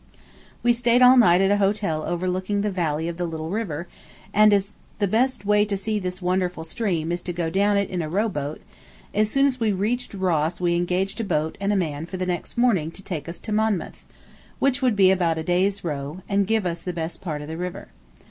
We stayed all night at a hotel overlooking the valley of the little river, and as the best way to see this wonderful stream is to go down it in a rowboat, as soon as we reached Ross we engaged a boat and a man for the next morning to take us to Monmouth, which would be about a day's row, and give us the best part of the river.